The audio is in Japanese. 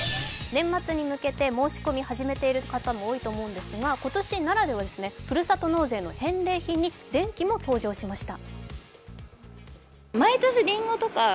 年末に向けて申し込みを始めている人も多いと思いますが、今年ならでは、ふるさと納税の返礼品に電気も登場しました。